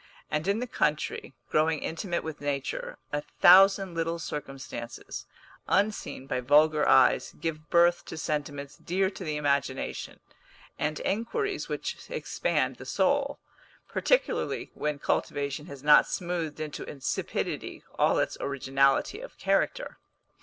And in the country, growing intimate with nature, a thousand little circumstances, unseen by vulgar eyes, give birth to sentiments dear to the imagination, and inquiries which expand the soul, particularly when cultivation has not smoothed into insipidity all its originality of character.